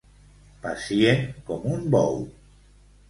Pacient com un bou.